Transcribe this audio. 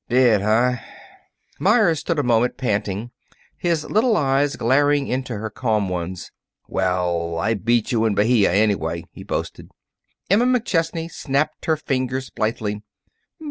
"Did, huh?" Meyers stood a moment panting, his little eyes glaring into her calm ones. "Well, I beat you in Bahia, anyway." he boasted. Emma McChesney snapped her fingers blithely.